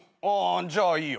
じゃあいいよ。